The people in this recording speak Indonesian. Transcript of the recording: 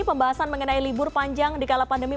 pembahasan mengenai libur panjang di kala pandemi